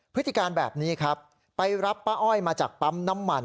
พฤติกรรมแบบนี้ครับไปรับป้าอ้อยมาจากปั๊มน้ำมัน